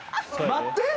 待って。